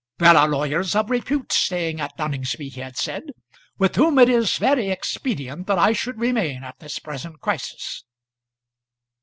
"There are lawyers of repute staying at Noningsby," he had said, "with whom it is very expedient that I should remain at this present crisis."